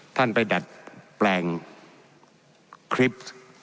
ท่านไปดัดแปลงคลิป